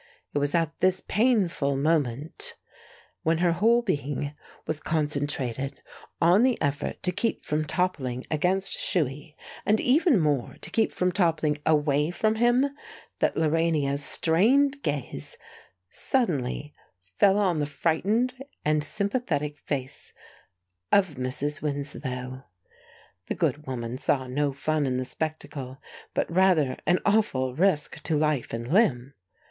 It was at this painful moment, when her whole being was concentrated on the effort to keep from toppling against Shuey, and even more to keep from toppling away from him, that Lorania's strained gaze suddenly fell on the frightened and sympathetic face of Mrs. Winslow. The good woman saw no fun in the spectacle, but rather an awful risk to life and limb.